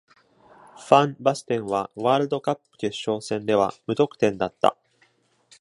ファン・バステンはワールドカップ決勝戦では無得点だった。